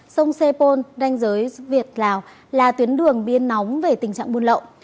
sông sê pôn đanh giới việt lào là tuyến đường biên nóng về tình trạng buôn lậu